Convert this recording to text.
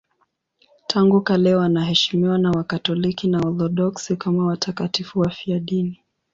Tangu kale wanaheshimiwa na Wakatoliki na Waorthodoksi kama watakatifu wafiadini.